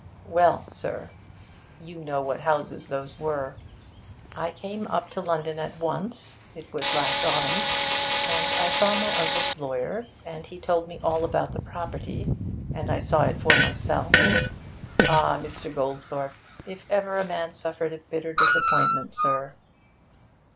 Well, sir, you know what houses those were. I came up to London at once (it was last autumn), and I saw my uncle's lawyer, and he told me all about the property, and I saw it for myself. Ah, Mr. Goldthorpe! If ever a man suffered a bitter disappointment, sir!'